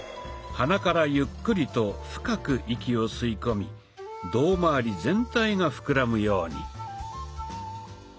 鼻からゆっくりと深く息を吸い込み胴まわり全体が膨らむように。